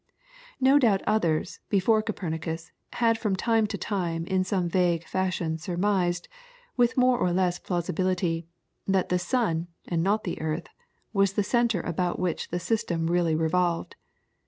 No doubt others, before Copernicus, had from time to time in some vague fashion surmised, with more or less plausibility, that the sun, and not the earth, was the centre about which the system really revolved.